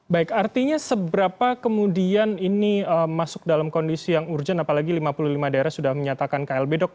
baik artinya seberapa kemudian ini masuk dalam kondisi yang urgent apalagi lima puluh lima daerah sudah menyatakan klb dok